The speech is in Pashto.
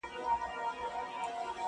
منتظر د ترقی د دې کهسار یو٫